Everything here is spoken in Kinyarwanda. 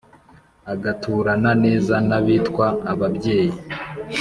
Agaturana nezaN’abitwa ababyeyi